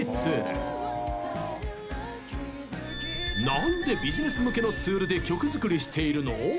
何でビジネス向けのツールで曲作りしているの？